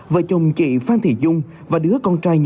vợ chồng chị phan thị dung và đứa con trai của mình